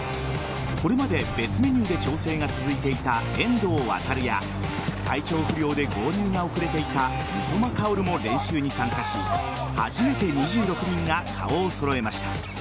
これまで別メニューで調整が続いていた遠藤航や体調不良で合流が遅れていた三笘薫も練習に参加し初めて２６人が顔を揃えました。